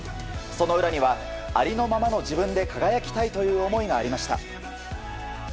その裏にはありのままの自分で輝きたいという思いがありました。